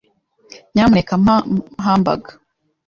Nyamuneka mpa hamburger.